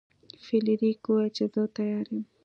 فلیریک وویل چې زه تیار یم.